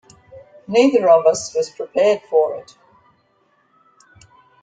Neither of us was prepared for it.